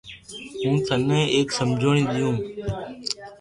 ھون ٿني ايڪ سمجوڻي ھڻاوُ